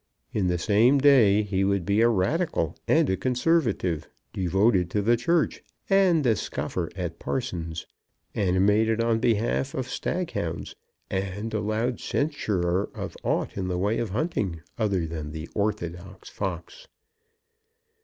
In the same day he would be a Radical and a Conservative, devoted to the Church and a scoffer at parsons, animated on behalf of staghounds and a loud censurer of aught in the way of hunting other than the orthodox fox.